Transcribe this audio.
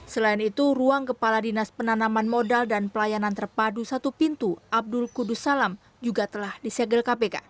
selain itu ruang kepala dinas penanaman modal dan pelayanan terpadu satu pintu abdul kudus salam juga telah disegel kpk